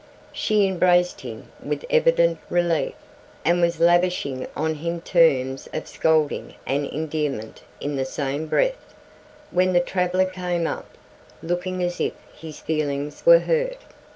She embraced him with evident relief, and was lavishing on him terms of scolding and endearment in the same breath, when the traveler came up, looking as if his feelings were hurt.